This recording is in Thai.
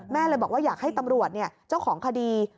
แม่เลยบอกว่าอยากให้ตำรวจเนี่ย